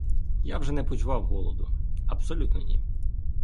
Я вже не почував голоду, абсолютно ні.